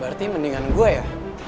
berarti mendingan gue ya